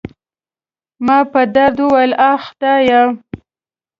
ما په درد وویل: اخ، خدایه.